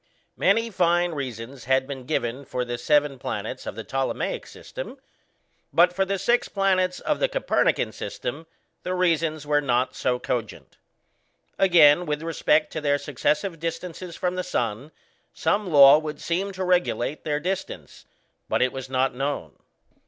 Many fine reasons had been given for the seven planets of the Ptolemaic system (see, for instance, p. 106), but for the six planets of the Copernican system the reasons were not so cogent. Again, with respect to their successive distances from the sun, some law would seem to regulate their distance, but it was not known.